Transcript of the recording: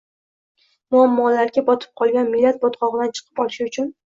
Muammolarga botib qolgan millat botqog‘idan chiqib olishi uchun